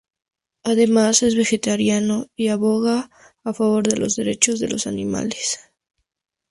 Además es vegetariano y aboga a favor de los derechos de los animales.